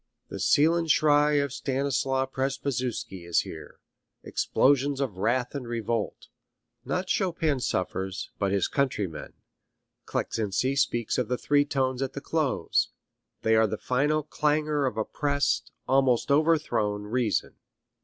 The Seelenschrei of Stanislaw Przybyszewski is here, explosions of wrath and revolt; not Chopin suffers, but his countrymen. Kleczynski speaks of the three tones at the close. They are the final clangor of oppressed, almost overthrown, reason.